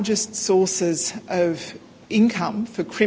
menteri lingkungan hidup federal